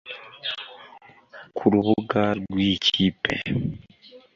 Ku rubuga rw’iyi kipe